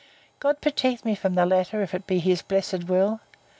God protect me from the latter, if it be his blessed will!